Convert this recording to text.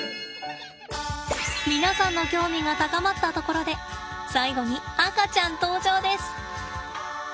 皆さんの興味が高まったところで最後に赤ちゃん登場です。